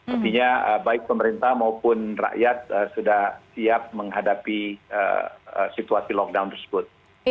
artinya baik pemerintah maupun rakyat sudah siap menghadapi situasi lockdown tersebut